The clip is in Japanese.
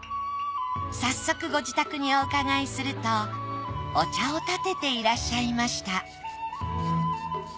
早速ご自宅におうかがいするとお茶をたてていらっしゃいました